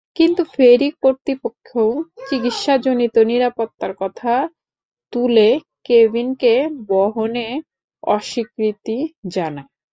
কিন্তু ফেরি কর্তৃপক্ষও চিকিৎসাজনিত নিরাপত্তার কথা তুলে কেভিনকে বহনে অস্বীকৃতি জানায়।